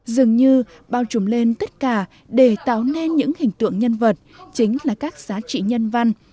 dường như bao trùm lên tất cả để tạo nên những hình tượng nhân vật chính là các giá trị nhân văn